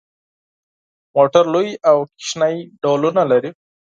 موټر لوی او کوچني ډولونه لري.